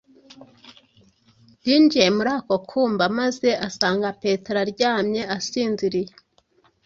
Yinjiye muri ako kumba maze asanga Petero aryamye asinziriye